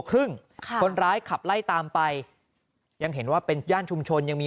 ครึ่งค่ะคนร้ายขับไล่ตามไปยังเห็นว่าเป็นย่านชุมชนยังมี